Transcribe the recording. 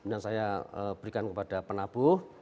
yang saya berikan kepada penabuh